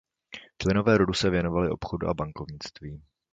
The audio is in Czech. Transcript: Členové rodu se věnovali obchodu a bankovnictví.